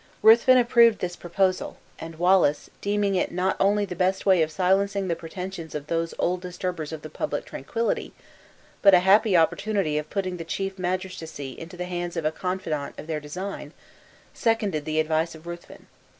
Ruthven approved this proposal; and Wallace, deeming it not only the best way of silencing the pretensions of those old disturbers of the public tranquility, but a happy opportunity of putting the chief magistracy into the hands of a confidant of their design, seconded the advice of Ruthven.